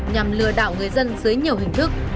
nhằm lừa đảo người dân dưới nhiều hình thức